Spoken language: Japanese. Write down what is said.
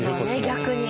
逆に。